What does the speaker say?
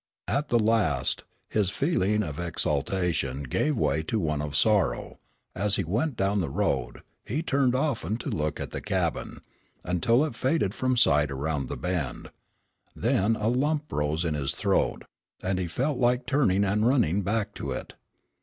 At the last, his feeling of exaltation gave way to one of sorrow, and as he went down the road, he turned often to look at the cabin, until it faded from sight around the bend. Then a lump rose in his throat, and he felt like turning and running back to it.